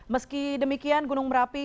meski demikian gunung merapi